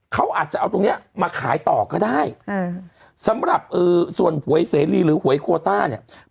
เขาอาจจะเอาตรงเนี้ยมาขายต่อก็ได้อืมสำหรับส่วนหวยเสรีหรือหวยโคต้าเนี่ย